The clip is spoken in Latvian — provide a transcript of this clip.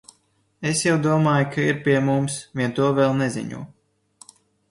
Es jau domāju, ka ir pie mums, vien to vēl neziņo.